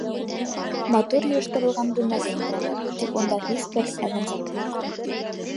Матур йыйыштырылған бүлмәгә индерәләр, тик унда һис бер әҙәм заты юҡ.